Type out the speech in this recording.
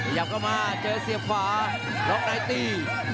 หยับเข้ามาเจอเสียบขวาร้องนายตี